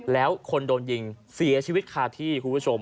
แล้วคนโดนยิงเสียชีวิตคาที่คุณผู้ชม